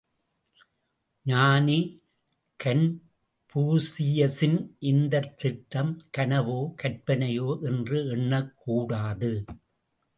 ஞானி கன்பூசியசின் இந்தத் திட்டம், கனவோ கற்பனையோ என்று எண்ணக்கூடாது.